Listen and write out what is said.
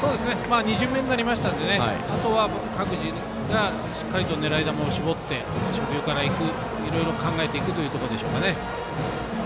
２順目になりましたので各自が狙い球を絞って初球からいくなどいろいろ考えていくというところでしょうか。